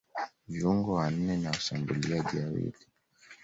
viungo wanne na washambuliaji wawili